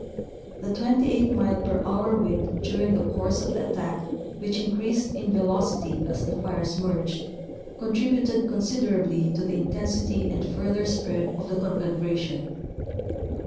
The 28 mile per hour wind during the course of the attack which increased in velocity as the fires merged, contributed considerably to the intensity and further spread of the confla gration.